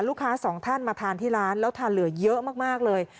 สองท่านมาทานที่ร้านแล้วทานเหลือเยอะมากเลย